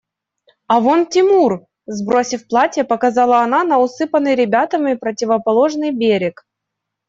А вон Тимур! – сбросив платье, показала она на усыпанный ребятами противоположный берег.